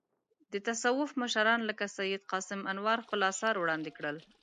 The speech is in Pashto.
د تصوف مشران لکه سید قاسم انوار خپل اثار وړاندې کړل.